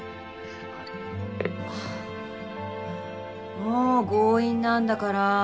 もう強引なんだから。